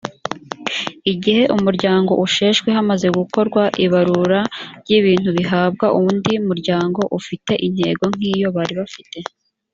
igihe umuryango usheshwe hamaze gukorwa ibarura ry’ ibintubihabwa undi muryango ufite intego nk’iyo bari bafite